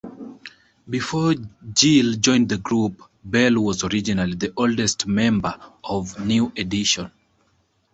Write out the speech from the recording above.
Before Gill joined the group, Bell was originally the oldest member of New Edition.